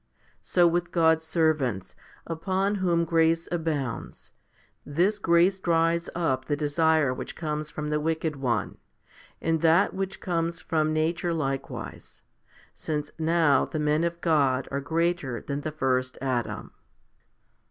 So with God's servants, upon whom grace abounds, this grace dries up the desire which comes from the wicked one, and that which comes from nature likewise ; since now the men of God are greater than the first Adam.